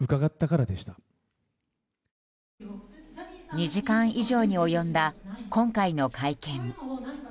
２時間以上に及んだ今回の会見。